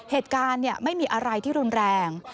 เหตุการณ์ไม่มีอะไรที่รุนแรง